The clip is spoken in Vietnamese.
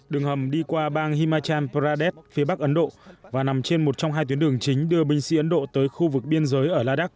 đường hầm đi qua bang himachal pradesh phía bắc ấn độ và nằm trên một trong hai tuyến đường chính đưa binh sĩ ấn độ tới khu vực biên giới ở ladak